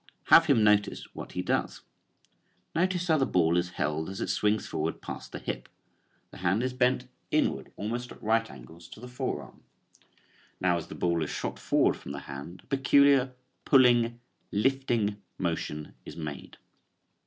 Have him notice what he does. Notice how the ball is held as it swings forward past the hip. The hand is bent inward almost at right angles to the forearm. Now as the ball is shot forward from the hand a peculiar pulling, lifting motion is made.